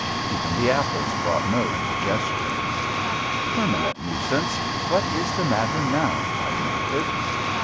Even the apples brought no indigestion. *^ Permanent Nuisance, what is the matter now? '* I grunted.